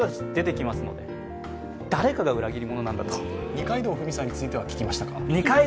二階堂ふみさんについては聞きましたか？